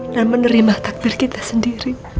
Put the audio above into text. dan menerima takdir kita sendiri